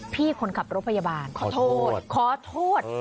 พี่คนขับรถพยาบาลขอโทษ